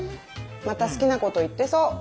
また好きなこと言ってそう。